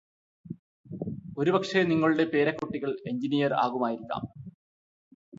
ഒരു പക്ഷെ നിങ്ങളുടെ പേരക്കുട്ടികൾ എഞ്ചിനീയർ ആകുമായിരിക്കാം